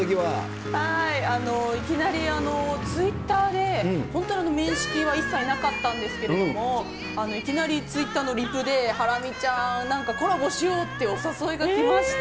いきなりツイッターで、本当に面識は一切なかったんですけれども、いきなりツイッターのリプで、ハラミちゃん、なんかコラボしようってお誘いが来まして。